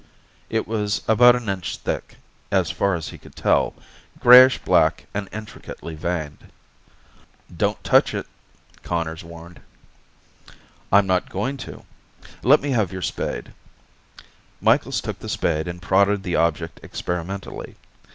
It was about an inch thick, as far as he could tell, grayish black and intricately veined. "Don't touch it," Conners warned. "I'm not going to. Let me have your spade." Micheals took the spade and prodded the object experimentally.